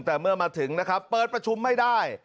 แต่เมื่อมาถึงนะครับเปิดประชุมไม่ได้